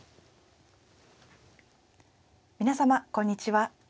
皆様こんにちは。